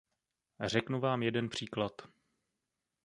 Řeknu vám jeden příklad.